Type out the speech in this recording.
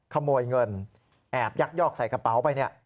ขโมยเงินแอบยักยอกใส่กระเป๋าไปเนี่ย